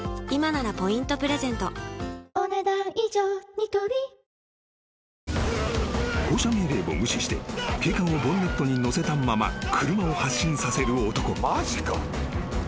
ニトリ［降車命令を無視して警官をボンネットに乗せたまま車を発進させる男］